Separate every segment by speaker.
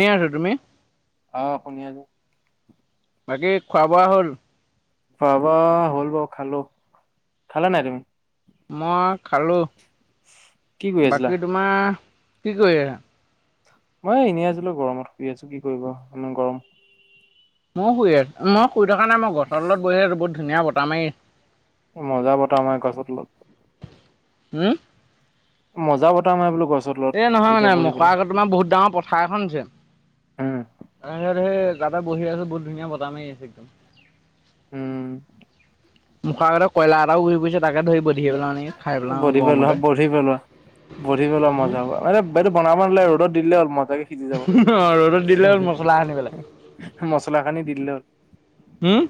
Speaker 1: এনেই আছো তুমি
Speaker 2: আহ শুনি আছো
Speaker 1: বাকী খোৱা বোৱা হ'ল।
Speaker 2: খোৱা বোৱা হ'ল বাও খালোঁ, খালা নাই তুমি?
Speaker 1: মই খালোঁ
Speaker 2: কি কৰি আছিলা
Speaker 1: বাকী তোমাৰ কি কৰি আছা।
Speaker 2: মই এনেই আজিলো গৰমত শুই আছো কি কৰিব মে গৰম।
Speaker 1: মই শুই আছো মই শুই থকা নাই মই গছৰতলত বহি আছো বহুত ধুনীয়া বতাহ মাৰি
Speaker 2: মজা বতাহ মাৰে গছৰতলত।
Speaker 1: হম
Speaker 2: মজা বতাহ মাৰে বোলো গছ
Speaker 1: এ নহয় মানে মুখৰ আগত তোমাৰ বহুত ডাঙৰ পথাৰ এখন আছে।
Speaker 2: উম
Speaker 1: সিহঁত সেই গাতে বহি আছো বহুত ধুনীয়া বতাহ মাৰি আছে একদম।
Speaker 2: উম
Speaker 1: মুখ আগততে কয়লা এটাও ঘুৰি ফুৰিছে। তাকে ধৰি বটিয়াই পেলাও নেকি খাই পেলাও
Speaker 2: বহি পেলোৱা
Speaker 1: গৰমতে
Speaker 2: বহি পেলোৱা। বহি বলে মজা হব মানে আৰে সেইটো বনাব নালাগে ৰ'দত দিলে হল ম সিজি যাব
Speaker 1: ৰ'দত দিলে হ'ল মছলা সানি পেলাই
Speaker 2: মচলা সানি দি দিলে হ'ল।
Speaker 1: হম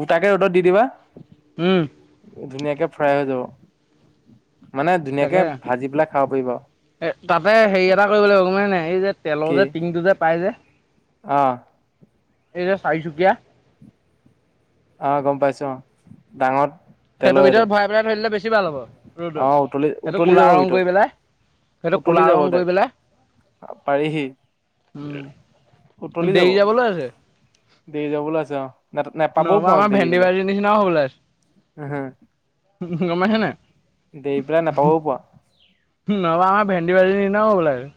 Speaker 2: গোটাকে ৰ'দত দি দিবা।
Speaker 1: হম
Speaker 2: ধুনীয়াকে ফ্ৰাই হৈ যাব। মানে ধুনীয়াকে
Speaker 1: তাকে
Speaker 2: ভাজি পেলাই খাব পাৰিবা
Speaker 1: এ তাতে হেৰি এটা কৰিব লাগিব গম পাইছা নাই। এই যে তেলৰ
Speaker 2: কি
Speaker 1: যে টিঙটো যে পাই যে।
Speaker 2: অ
Speaker 1: এই যে চাৰি চুকীয়া।
Speaker 2: অ গম পাইছো অ ডাঙৰ।
Speaker 1: সেইটো
Speaker 2: তেলৰ এইটো
Speaker 1: ভিতৰত ভৰাই পেলাই থৈ বেছি ভাল হ'ব
Speaker 2: অ',
Speaker 1: ৰ'দত
Speaker 2: উতলি
Speaker 1: সেইটো
Speaker 2: উতলি
Speaker 1: কুলা
Speaker 2: যাব
Speaker 1: ৰং
Speaker 2: ভিতৰত
Speaker 1: কৰি পেলাই সেইটো
Speaker 2: উতলি
Speaker 1: কুলা
Speaker 2: যাব
Speaker 1: ৰং
Speaker 2: তাইক
Speaker 1: কৰি পেলাই।
Speaker 2: পাৰিহি
Speaker 1: উম
Speaker 2: উতলি যাব
Speaker 1: দেৰি যাবলৈ আছে।
Speaker 2: দেৰি যাবলৈ আছে। অ', ন নাপাবও
Speaker 1: নহবা
Speaker 2: পাৰো
Speaker 1: আমাৰ
Speaker 2: দেৰি
Speaker 1: ভেন্দি
Speaker 2: পেলাই
Speaker 1: ভাজি নিচিনাও হ'বলে
Speaker 2: হ
Speaker 1: আছে গম পাইছা নাই।
Speaker 2: দেৰি পেলাই নাপাবও পোৱা
Speaker 1: নহবা আমাৰ ভেন্দি ভাজি নি নাও হব লাগে।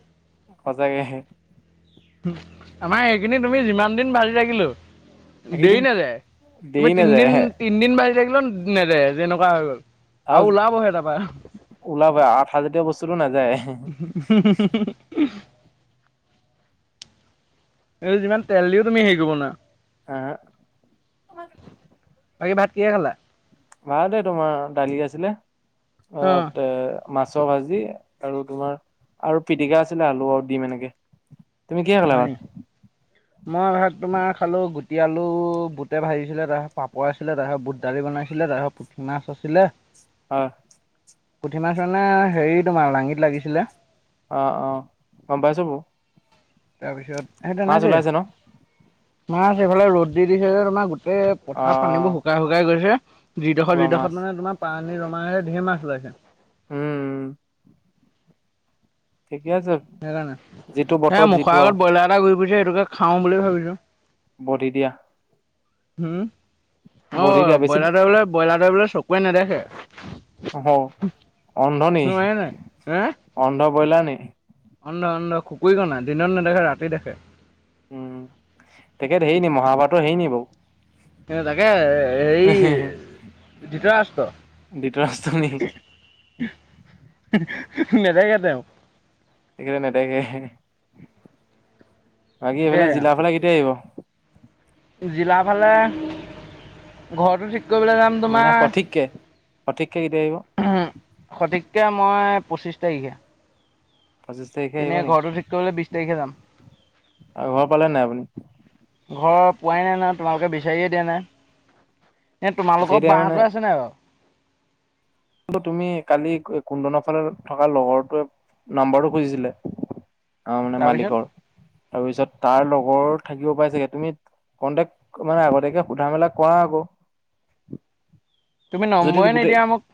Speaker 2: সঁচাকে।
Speaker 1: আমাৰ এইখিনি তুমি যিমান দিন ভাজি থাকিলেও দেৰি
Speaker 2: এইকেইদিন
Speaker 1: নাযায়। তুমি
Speaker 2: দেৰি নাযায়
Speaker 1: তিনদিন তিনদিন ভাজি থাকিলো নেযায় যেনেকোৱা হৈ গল।
Speaker 2: আৰু
Speaker 1: আও লাভ হয় তাপা। [unintelligible]
Speaker 2: ওলাব আঠা জাতীয় বস্তুটো নাযায়
Speaker 1: এই যিমান তেল দিও তুমি সেই কৰিব নোৱাৰা।
Speaker 2: এ।
Speaker 1: বাকী ভাত কিহে খালা?
Speaker 2: ভাত এই তোমাৰ দালি আছিলে। অ তে মাছ ভাজি আৰু তোমাৰ আৰু পিটিকা আছিলে আলু আৰু ডিম এনেকে। তুমি কিহে খালা
Speaker 1: হয় নি
Speaker 2: ভাত?
Speaker 1: মই তোমাৰ খালো গুটি আলু, বুটে ভাজিছিলে। তাপাছত পাপৰ আছিলে তাপাছত বুট দালি বনাইছিলে। পুঠি মাছ আছিলে।
Speaker 2: হয়
Speaker 1: পুঠিমাছৰ নে হেৰি তোমাৰ লাঙিত লাগিছিলে।
Speaker 2: অ অ গম পাইছোঁ বো।
Speaker 1: তাৰপিছত সে তেনেকে।
Speaker 2: ন
Speaker 1: মাছ এইফালে ৰ'দ দি দিছে যে তোমাৰ গো তে পথাৰত
Speaker 2: অ',
Speaker 1: পানীবোৰ শুকাই শুকাই গৈছে। যিডখ
Speaker 2: পুৰা মাছ
Speaker 1: যিডখত মানে তোমাৰ পা পানী ৰমা এ ধেৰ মাছ ওলাইছে।
Speaker 2: উম উম।
Speaker 1: সেইকাৰণে,
Speaker 2: যিটো
Speaker 1: এয়া
Speaker 2: বতৰত
Speaker 1: মুখৰ
Speaker 2: যিটো আৰু
Speaker 1: আগত ব্ৰইলা এটা ঘুৰি ফুৰিছে সেইটোকে খাও বুলি ভাবিছো।
Speaker 2: বধি দিয়া।
Speaker 1: হম। অ
Speaker 2: বধি দিয়া বেছি
Speaker 1: বইলা দৰে বোলে বইলা দৰে বোলে চকুৱে নেদেখে।
Speaker 2: অহ অন্ধ নি?
Speaker 1: নোৱাৰে নাই হে
Speaker 2: অন্ধ বইলা নি?
Speaker 1: অন্ধ অন্ধ খুকুই কণা। দিনত নেদেখে ৰাতি দেখে।
Speaker 2: উম তেখেত সেই নি মহাভাৰতৰ সেই নি বাও।
Speaker 1: এ তাকে এ সেই ধিত ৰাষ্ট্ৰ।
Speaker 2: ধৃতৰাষ্ট্ৰ নি
Speaker 1: মেজাই ঘাট যাও
Speaker 2: সেকিতা নেদেকে। বাকী
Speaker 1: তাকে
Speaker 2: এইফালে জিলা ফালে কেতিয়া আহিব?
Speaker 1: জিলা ফালে ঘৰতো ঠিক কৰিবলৈ যাম
Speaker 2: মানে
Speaker 1: তোমাৰ
Speaker 2: সঠিককে সঠিককে কেতিয়া আহিব
Speaker 1: উ সঠিক কে মই পঁচিছ তাৰিখে।
Speaker 2: পঁচিছ তাৰিখে আহিব
Speaker 1: ইনে
Speaker 2: নেকি
Speaker 1: ঘৰটো ঠিক কৰিবলে বিছ তাৰিখে যাম।
Speaker 2: আৰু ঘৰ পালে নাই আপুনি
Speaker 1: ঘৰ পোৱাই নাই নহয়। তোমালোকে বিচাৰিয়ে দিয়া নাই। এ তোমালোকৰ
Speaker 2: এতিয়া মানে
Speaker 1: বাঁটো আছে নাই বাও?
Speaker 2: তুমি কালি কুন্দন ফালে থকা লগৰটোৱে নাম্বাৰটো খুজিছিলে। অ মানে
Speaker 1: তাৰপিছত
Speaker 2: মালিকৰ তাৰপিছত তাৰ লগৰ থাকিব পাই চাগে। তুমি কন্টেক্ট মানে আগতীয়াকে সোধা মেলা কৰা আকৌ।
Speaker 1: তুমি
Speaker 2: যদি
Speaker 1: নম্বৰে
Speaker 2: গোটেই
Speaker 1: নিদিয়া মোক।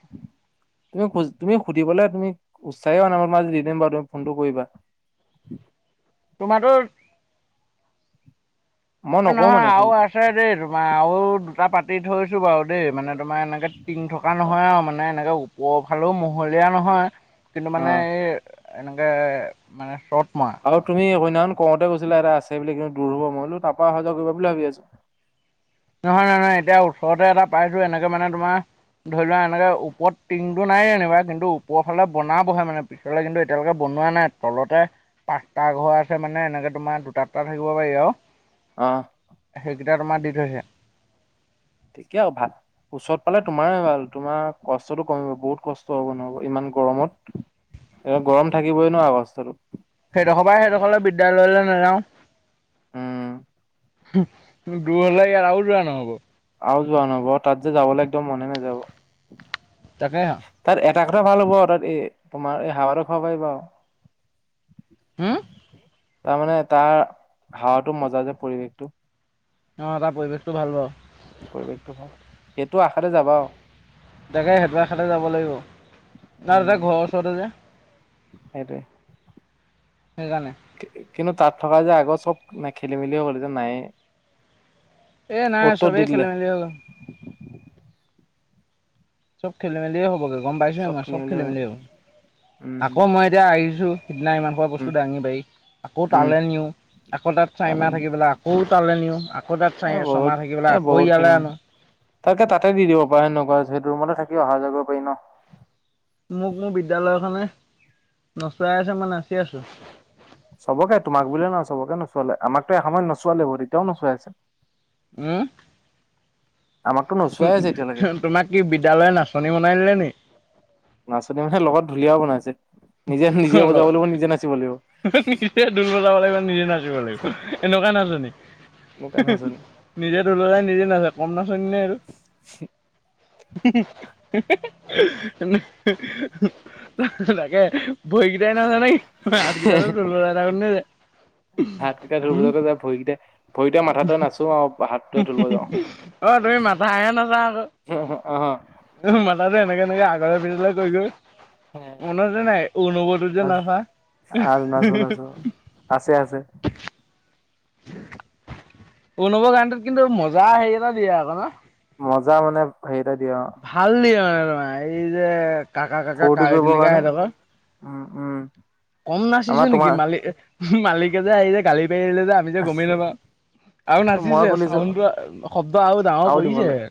Speaker 2: তুমি তুমি সুধিবলে তুমি উৎসাহে হোৱা নাই। মই তোমাক আজি দি দিম বাও তুমি ফোনটো কৰিবা।
Speaker 1: তোমাৰ টোৰ।
Speaker 2: মই নকওঁ
Speaker 1: নহয়
Speaker 2: মানে ফোন
Speaker 1: আও আছে দেই তোমাৰ আও দুটা পাতি থৈছো বাও দেই মানে। তোমাৰ এনেকে টিং থকা নহয় আও মানে এনেকে ওপৰৰ ফালেও মহলীয়া নহয় কিন্তু
Speaker 2: অ
Speaker 1: মানে এই এনেকে মানে শৰ্ট
Speaker 2: আৰু তুমি সেনাখন কওঁতে কৈছিলা এটা আছে বুলি কিন্তু দূৰ হ'ব। মই বোলো তাপা অহা যোৱা কৰিব বুলি ভাবি আছো।
Speaker 1: নহয় নহয় নহয় এতিয়া ওচৰতে এটা পাইছো এনেকে মানে তোমাৰ ধৰি লোৱা এনেকে ওপত টিং টো নাই যেনিবা কিন্তু ওপৰ ফালে বন বহে মানে পিছলে কিন্তু এতিয়ালৈকে ব শুনোৱা নাই তলতে পাঁচটা ঘৰ আছে মানে এনেকে তোমাৰ দুটাটা থাকিব পাৰি আৰু
Speaker 2: আহ
Speaker 1: এতিয়া তোমাৰ দি থৈছে
Speaker 2: কে ভাল ওচৰত পালে তোমাৰ ভাল তোমাৰ কষ্টতটো কমিব বহুত কষ্ট হ'ব নহব ইমান গৰমত এ গৰম থাকিবই নোৱাৰ অগস্থো
Speaker 1: সেইডোখৰ পৰা সেইডোখৰ বিদ্যালয়লৈ নাযাও
Speaker 2: উম
Speaker 1: দূৰ হলে ইয়াৰ আৰু যোৱা নহ'ব
Speaker 2: আৰু যোৱা নব তাত যে যাবলৈ একদম মনে নাযাব
Speaker 1: তাকে
Speaker 2: তাকতো ভাল হ'ব আৰু তাত এই তোমাৰ এই হাৱাতো খাব পাৰিব আও
Speaker 1: হম
Speaker 2: তাৰমানে তাৰ হাৱাটো মজা যে পৰিৱেশটো
Speaker 1: অ তাৰ পৰিৱেশটো ভাল বাও
Speaker 2: পৰিৱেশটো হয় সেইটো আশাতে যাবা আও
Speaker 1: তাকে হেতু আশাতে যাব লাগিব নাই দাদা
Speaker 2: উম
Speaker 1: ঘৰৰ ওচৰতে যে
Speaker 2: সেইটোৱে
Speaker 1: সেইকাৰণে
Speaker 2: কিন্তু তাত থকা যে আগৰ চব নে খেলি মেলি হ'ল যে নাই
Speaker 1: এ নাই চবেই খেল মেলি হৈ গ'ল চব খেলি মেলিয়ে হ'বগে গম পাইছো আমাৰ চব খেলি মেলি
Speaker 2: উম
Speaker 1: হ'ব আকৌ মই এতিয়া আহিছো সিদিনা ইমান খোপা
Speaker 2: উম
Speaker 1: বস্তু দাঙি পাৰি আকৌ
Speaker 2: উম
Speaker 1: তালে নিও আকৌ তাত চাইমা থাকিব পেলাই আকৌ তালে নিও আকৌ তাত
Speaker 2: এ
Speaker 1: চাই ছমা থাকিব পেলাই আকৌ ইয়ালে আনো
Speaker 2: তাকে তাতে দি দিব পাৰা সেনেকোৱা সেইটো ৰুমতে থাকিব অহা যোৱা কৰিব পাৰি ন
Speaker 1: মোক মোৰ বিদ্যালয়খনে নচোৱাই আছে মই নাচি আছো
Speaker 2: চবকে তোমাক বুলি নহয় চবকে নচোৱালে আমাকতো এসময়ত নচোৱালে তেতিয়াও নচোৱাই আছে
Speaker 1: উম
Speaker 2: আমাকতো
Speaker 1: উ
Speaker 2: নোচোৱাই আছে এতিয়ালৈকে
Speaker 1: তোমাক কি বিদ্যালয় নাচনী বনাই দিলে নিে
Speaker 2: নাচনী মানে লগত ঢুলীয়াও বনাইছে নিজে নিজে
Speaker 1: হল
Speaker 2: বজাব লাগিব নিজে নাচিব লাগিব
Speaker 1: নিজে ঢুল বজাব লাগিব নিজে নাচিব লাগিব এনেকুৱা নাজান
Speaker 2: এনেকুৱা নাচনী।
Speaker 1: নিজে ল যাই নিজে নাচায় কম নাচনি নাই আৰু তাকে বহকেইটাই নাজ নাই হাতকেইটা এটা যে
Speaker 2: হাতকেইটা ধুলবলৈকে যা ভৰিকেইটা ভৰিটোৱে মাথাটো নাচো আৰু হাতটোৱে ধুলব যাওঁ
Speaker 1: অ তুমি মাথাহে নাছা
Speaker 2: উ হ আহ
Speaker 1: তাতো এনেকে এনেকে আগৰ পিছলৈ কৈ গৈ মনত যে নাই অনুবতো যে নহা
Speaker 2: আৰু নাচো নাচো। আছে আছে
Speaker 1: উব গানটোত কিন্তু মজা হেৰি এটা দিয়ে আকৌ ন
Speaker 2: মজা মানে হেৰি এটা দিয়ে অ
Speaker 1: ভাল দিয় ত এই যে কাকা কাকা
Speaker 2: ফূৰ্তি
Speaker 1: কাৱৈ
Speaker 2: কৰিবৰ
Speaker 1: দিলিকা
Speaker 2: কাৰণে
Speaker 1: সিহঁতকৰ
Speaker 2: উম উম।
Speaker 1: কম
Speaker 2: আমাৰ
Speaker 1: নাচিছো নেকি
Speaker 2: তোমাৰ
Speaker 1: মালিক মালিকে যে আহি যে গালি লে যে আমি যে গমেই নবা আৰু
Speaker 2: মই
Speaker 1: নাচিছে
Speaker 2: খুলিছো
Speaker 1: চাউড শব্দ আৰু ডাঙৰ কৰিছেহে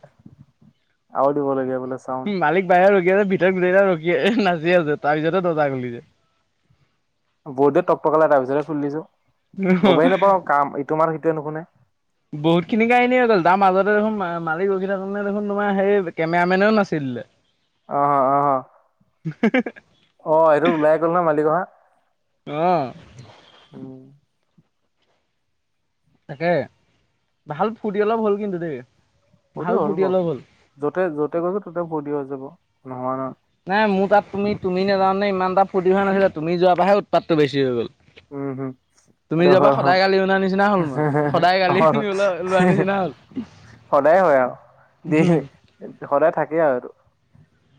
Speaker 2: আৰু দিবলগীয়া বোলে চাউণ্ড
Speaker 1: মালিক বাহিৰে ৰখি আছে ভিতৰত গোটেইটা ৰখি আছে এ নাচি আছে তাৰ পিছতে দজা খুলি যে
Speaker 2: বৰ্দে টপটকালে এটাৰ পিছৰে ফুলি দিছো গবেই নাপাওঁ কাম ইটো মাৰ সেইটোৱে নুশুনে
Speaker 1: বহুত খিনি কাহিনী হৈ গ'ল তাৰ মাজতে দেখোন মালিক ৰখি থাৰ কাৰণে দেখোন তোমাৰ সেই কেমেৰা মেনেও নাছিল ইলে
Speaker 2: আহ হ অ অ
Speaker 1: হ হ হ। [unintelligible]
Speaker 2: অ এইটো ওলাই গ'ল ন মালিকপা।
Speaker 1: আহ।
Speaker 2: উম্।
Speaker 1: তাকে ভাল ফূৰ্তি অলপ হ'ল কিন্তু দেই।
Speaker 2: ফূৰ্তি হ'ল বাও য'তে য'তে গৈছো ততে ফৰ্তিও হৈ যাব কোহোৱা নহয়।
Speaker 1: নাই মোৰ তাত তুমি তুমি নেজানে ইমান তটা ফূ্তি হোৱা নাছিলে তুমি যোৱাৰ পৰাে উৎপাতটো বেছি হৈ গ'ল,
Speaker 2: উম হম
Speaker 1: তুমি
Speaker 2: এইটো
Speaker 1: যোৱা পৰা
Speaker 2: হয় হয়
Speaker 1: সদায় গালি উনাাৰ নিচিনা হল মই, সদায়
Speaker 2: হয়
Speaker 1: গালিনি ওল লোৱাৰ
Speaker 2: হয়।
Speaker 1: নিচিনা হল একগ
Speaker 2: সদায় হয় আৰু দ সদায় থাকে আৰুটো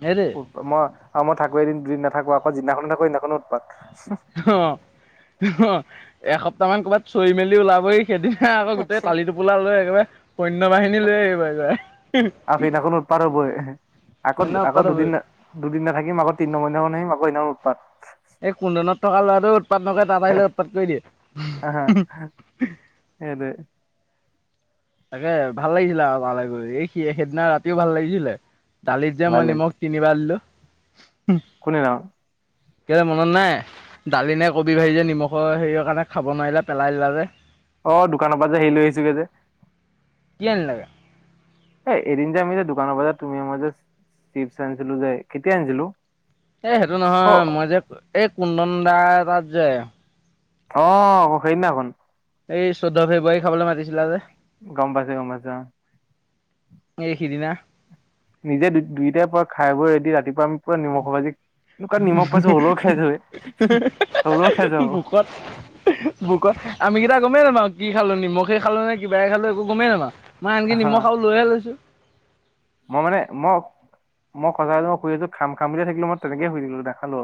Speaker 1: সেইটোৱে
Speaker 2: উৎ মই আৰু মই থাকো এদিন দুদিন নাথাকো যিদিনাখননেো থাকো সেইদিনাখনো উৎপাত। সাঃ
Speaker 1: অ এসপ্তাহ মান ক'ৰবাত চৈ মেলি ওলাবহি সেইদিনা আকৌ গোটেই টালি টোপোলা লৈ একেবাৰে সন্য বাহিনী লৈ আহিব একেবাই।
Speaker 2: আৰু সেইদিনাখনো উৎপাত হ'বই আকৌ আকৌ দুদিন দুদিন ন থাকিম আকৌ তিনি ন মনা আহিম আকৌ ইমান উৎপাত।
Speaker 1: এই কুন্দনত থকা ল'ৰাটোৱে উৎপাত নকৰে তাত আহিলে উৎপাত কৰি দিয়ে।
Speaker 2: সেই টোএ
Speaker 1: তাকে ভাল লাগিছিলে আৰু তালৈ গৈ এই সি সেইদিনা ৰাতিও ভাল লাগিছিলে। দালিত যে মই নিমখ তিনিবা দিলো।
Speaker 2: কোন দিনাখন?
Speaker 1: কেলে মনত নাই দালি নে কবি বাঢ়ি যে নিমখৰ হেৰিৰ কাৰণে খাব নোৱাৰিলে পেলাই দিলা যে
Speaker 2: অ দোকানৰ পৰা যে হেইৰি লৈ আহিছোগে যে
Speaker 1: কি আনিলা গে?
Speaker 2: এ এদিন যে আমি যে দোকানৰ পৰাজাত তুমি মই যে চিপছ আনিছিলো যে কেতিয়া আনিছিলো?
Speaker 1: এ সেইটো নহয়
Speaker 2: অ
Speaker 1: মই যে এই কুন্দন দা তাত যে
Speaker 2: অ সেইদিনাখন
Speaker 1: এই চৈধ্য ফেব্ৰুৱাৰী খাবলৈ মাতিছিলা যে
Speaker 2: গম পাইছোঁ গম পাইছো আহ।
Speaker 1: হাই সিদিনা।
Speaker 2: নিজে দু দুইটাৰ পৰা খাই বৈ ৰেডি ৰাতিপুৱা আমি পৰা নিমখ ভাজি এ কাৰাত নিমখ পাইছো হ'লেও খাই থয় হ'লেও খাই যাব।
Speaker 1: বুকত বুকত আমি কেইটা গম পাইছা ন। কি খালো নিমখে খালো নে কিবাই খালো একো গমেই নাপাও মই আনকি
Speaker 2: হা
Speaker 1: নিমখ আৰু লৈহে লৈছো।
Speaker 2: মই মানে মই মই সজাই মই শুই আছো খাম খাম বুলিয়ে থাকিলো মই তেনেকে শুই দিলো নেখালো।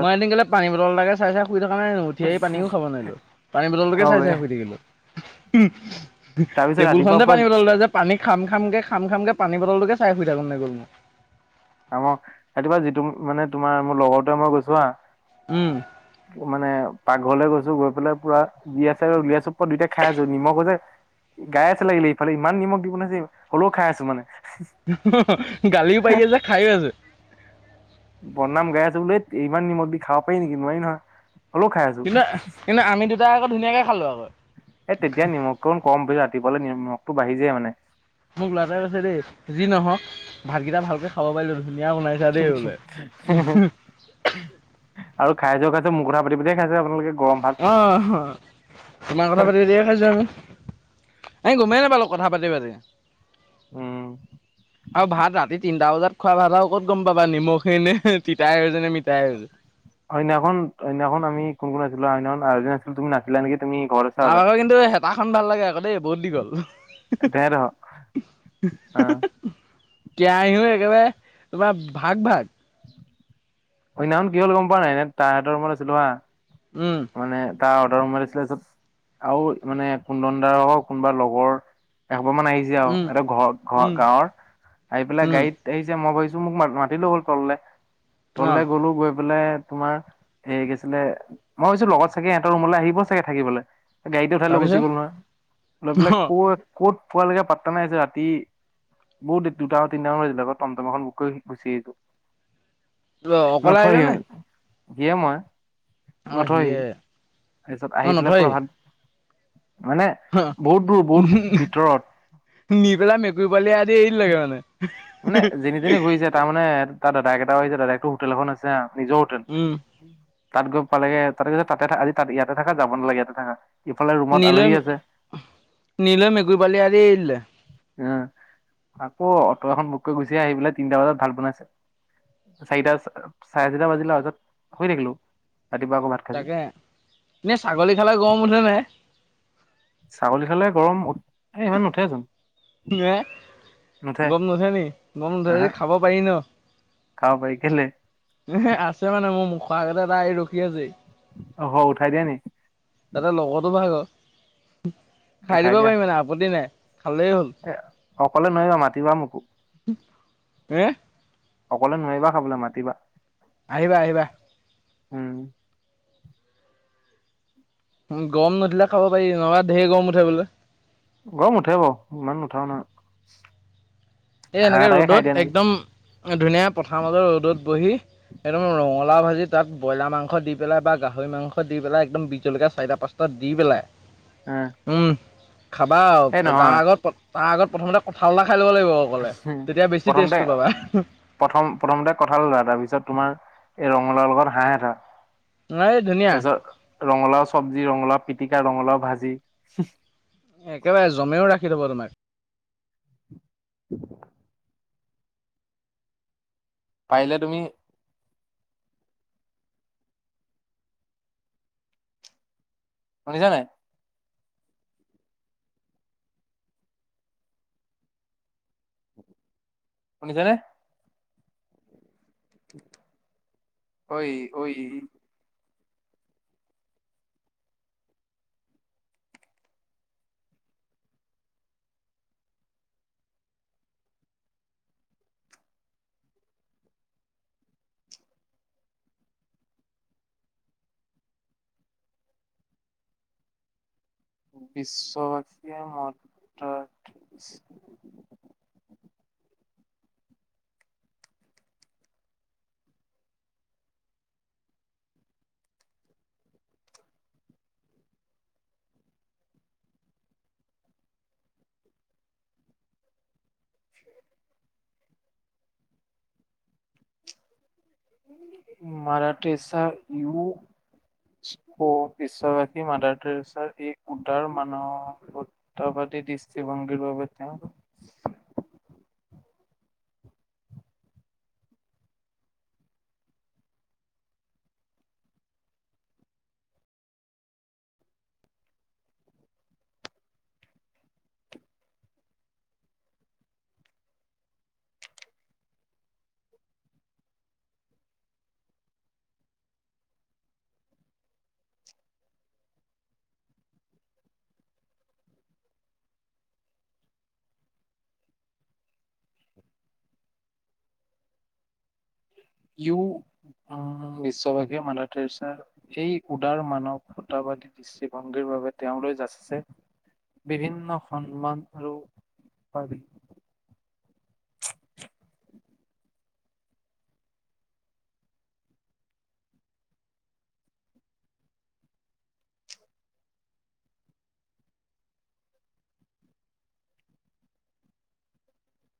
Speaker 1: মই এদিন কেলে পানী বটল এটাকে চাই চাই শুই থকা নাই ন উঠি আহি পানিও খাব নোৱাৰিলো পানী বটলটে
Speaker 2: অ',
Speaker 1: চাই
Speaker 2: বে
Speaker 1: চাই থাকিলোঁ।
Speaker 2: তাৰপিছত
Speaker 1: টেবুল
Speaker 2: ৰাতিপুৱা
Speaker 1: খনতে যে
Speaker 2: পুৱা
Speaker 1: পানী বটলটো আছে পানী খাম খাম কে খাম খাম কে পানী বটললৈকে চাই শুই থাকো নে গ'ল মই।
Speaker 2: আ ম ৰাতিপা যিটো মানে তোমাৰ মোৰ লগৰটোৱে মই গৈছো হা।
Speaker 1: উম্
Speaker 2: মানে পাকঘৰলৈ গৈছো গৈ পেলাই পুৰা বি চ উিয় চোপ দুইটাই খাই আছো নিমখ যে। গাই আছে লাগিলে এইফালে ইমান নিমখ দিব নাছিল হ'লেও খাই আছো মানে।
Speaker 1: গালিও পাৰি আছে খাইও আছে
Speaker 2: বনাম গাই আছো বোলে ইমান নিমখ দি খাব পায় নিকি নোৱাৰি নহয়। হ'লেও খাই আছো
Speaker 1: কিন্তু কিন্তু আমি দুটাই আকৌ ধুনীয়াকে খালো আকৌ।
Speaker 2: এ তেতিয়া নিমখটো কম ৰাতিপুৱালে নিমখটো বাঢ়ি যায় মানে।
Speaker 1: মোক ল'ৰা এটা কৈছে দেই যি নহওক ভাতকেইটা ভালকে খাব পাৰিলো। ধুনীয়া বনাইছা দেই বোলে।
Speaker 2: আৰু খাইছেও খাইছে মুখৰা পাতি পাতি খাইছে আপোনোকে
Speaker 1: অ তোমাৰ কথা পাতি দিয়ে খাইছো আমি এ গমেই নাপালো। কথা পাতি পাতি
Speaker 2: উম
Speaker 1: আৰু ভাত ৰাতি তিনি টা বজাত খোৱা ভাত ক'ত গম পাবা নিমখেনে তিতা হৈছেনে মি
Speaker 2: সেইনাখন সেইনাখন আমি কোন কোন আছিলো সেইনাখন আৰু এজন আছিলে তুমি নাছিলা নেকি তুমি ঘৰত আছা
Speaker 1: তাৰ
Speaker 2: হপাই
Speaker 1: আগৰ কিন্তু হেতাখন ভাল লাগে আকৌ দেই বহুত দীঘ'ল
Speaker 2: তেহেতৰ ঘৰ, অ
Speaker 1: [unintelligible] কেৰাহিও একেবাৰে তোমাৰ ভাগ ভাগ
Speaker 2: সেইনাখন কি হল গম পোৱা নাই ন তাহাঁতৰ মত আছিলো হা
Speaker 1: উম
Speaker 2: টা অৰ্ডাৰ সোমাই দিছিলেছত আৰু মানে কু দণ্ডাৰ হ ও কোনোবা লগৰ এ ঘৰ মানুহ আহিছে আৰু
Speaker 1: উম
Speaker 2: এ ঘৰ ঘৰ
Speaker 1: উম
Speaker 2: গাঁৱৰ আহি পেলাই
Speaker 1: উম
Speaker 2: গাড়ীত আহিছে মই ভাবিছো মোক মাতি মাতিলৈ গ'ল তললে
Speaker 1: অ
Speaker 2: তললে গ'লো গৈ বোলে তোমাৰ এই গৈছিলে মই ভাবিছো লগত চাগে এহতৰ ৰুমলৈ আহিব চাগে থাকিবলে গাড়ীতে উঠাই লৈ গুচি
Speaker 1: তাৰপিছত
Speaker 2: গ'ল নহয় লৈ পেলাই ক' কত পোৱালৈকে পাত্তা নাইছে ৰাতি বহুত দুটা তিনিটা মান হৈছিলে আকৌ টমটম এখন বুক কৰি গুচি আহিলো।
Speaker 1: অকলে আহিলা নে
Speaker 2: যিয়ে মই
Speaker 1: অ
Speaker 2: নথয়হি
Speaker 1: সিয়ে
Speaker 2: তাৰপিছত
Speaker 1: অ
Speaker 2: আহি পেলাই
Speaker 1: নথয়
Speaker 2: পূৰা ভাত মানে বহুত দূৰ বহুত ভিতৰত
Speaker 1: নি পেলাই মেকুৰী পোৱালি এৰা দি এৰিদিলে
Speaker 2: যেনি তেনি
Speaker 1: মানে
Speaker 2: ঘূৰিছে তাৰ মানে তাৰ দাদাক এটা ওঁ আহিছে য দদায়েক হোটেল এখন আছে নিজৰ হোটেল
Speaker 1: উম
Speaker 2: তাত গৈ পালে তাত গৈ তাতে থ আজি তাত ইয়াতে থাকা যাব নালাগে ইয়াতে থাকা ইফালে ৰুমত
Speaker 1: নিলে
Speaker 2: আলহী আছে
Speaker 1: নিলে মেকুই পোৱালি এৰাদি এৰিদিলে
Speaker 2: উ আকৌ অটো এখন বুক কৰি গুচি আহি পেলাই তিনটা বজাত ভাত বনাইছে চাৰিটা চাৰে চাৰিটা বাজিলে তাৰপিছত শুই থাকিলো ৰাতিপুৱা আকৌ ভাত খাইছো
Speaker 1: তাকে এনেই ছাগলী খালে গৰম উঠে নাই
Speaker 2: ছাগলী খালে গৰম ইমান নুঠেচোন
Speaker 1: হে
Speaker 2: নুঠে
Speaker 1: গম নুথে নি গম নুথে যদি
Speaker 2: আহা
Speaker 1: খাব পাৰি ন
Speaker 2: খাব পাৰি কেলে
Speaker 1: এ আছে মানে মোৰ মুখৰ আগতে এটা ৰখি আছেহি
Speaker 2: অ হ উঠাই দিয়া নি
Speaker 1: তাতে লগতো ভাগৰ খাই
Speaker 2: উঠাই
Speaker 1: দিব
Speaker 2: দিয়া
Speaker 1: পাৰি মানে আপত্তি নাই খালেই হ'ল
Speaker 2: এ অকলে নোৱাৰিবা মাতিবা মোকো
Speaker 1: হে
Speaker 2: অকলে নোৱাৰিবা খাবলৈ মাতিবা
Speaker 1: আহিবা আহিবা
Speaker 2: উম
Speaker 1: উ গৰম নুঠিলে খাব পাৰি নহবা ঢেৰ গৰম উঠে বোলে
Speaker 2: গৰম উঠে বাৰু ইমান নুঠাও নহয়
Speaker 1: এ
Speaker 2: হাঁহ
Speaker 1: এনেকে
Speaker 2: এটাকে খাই
Speaker 1: ৰ'দত
Speaker 2: দিয়া নেকি
Speaker 1: একদম ধুনীয়া পথাৰ মাজত ৰ'দত বহি একদম ৰঙালাও ভাজি তাত ব্ৰইলাৰ মাংস দি পেলাই বা গাহৰি মাংস দি পেলাই একদম বিজলকীয়া চাৰিটা পাঁচটা দি পেলাই
Speaker 2: এ
Speaker 1: উম খাবা আৰু
Speaker 2: এই
Speaker 1: তাৰ
Speaker 2: নহয়
Speaker 1: আগত তাৰ আগত প্ৰথমতে কঁঠাল এটা খাই ল'ব লাগিব অকলে তেতিয়া বেছি
Speaker 2: প্ৰথমতে
Speaker 1: টেষ্টটো পাবা
Speaker 2: প্ৰথম প্ৰথমতে কঠাঁল এটা তাৰপিছত তোমাৰ এই ৰঙলাও লগত হাঁহ এটা
Speaker 1: নাই এই ধুনীয়া
Speaker 2: তাৰপিছত ৰঙালাও চবজি ৰঙালাও পিটিকা ৰঙালাও ভাজি
Speaker 1: একেবাৰে জমেও ৰাখি থব তোমাক
Speaker 2: পাইলে তুমি শুনিছানাই শুনিছানে ঐ ঐ বিশ্ববাসীয়ে মত তত
Speaker 1: [inaudible]
Speaker 2: [inaudible] মাৰাঠী চা ইউ বিশ্ববাসী মাদাৰ টেৰেছাৰ এই উদাৰ মানৱতাদ। দৃষ্টি ভংগীৰ বাবে তেওঁ
Speaker 1: [inaudible]
Speaker 2: ইউ। উম বিশ্ববাসীয়ে মাদাৰ টেৰেছাৰ সেই উদাৰ মানৱতাবাদী দৃষ্টিভংগীৰ বাবে তেওঁলৈ যাঁচিছে বিভিন্ন সন্মান আৰু পদবী
Speaker 1: আ [inaudible]